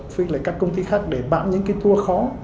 với các công ty khác để bám những tour khó